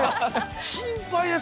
心配です。